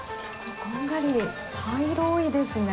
こんがり茶色いですね。